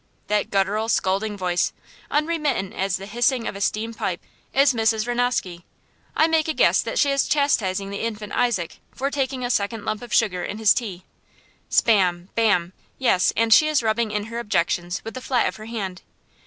That guttural, scolding voice, unremittent as the hissing of a steam pipe, is Mrs. Rasnosky. I make a guess that she is chastising the infant Isaac for taking a second lump of sugar in his tea. Spam! Bam! Yes, and she is rubbing in her objections with the flat of her hand.